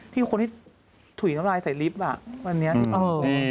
ที่คนที่ถุยน้ำลายใส่ลิฟต์อ่ะวันนี้เออ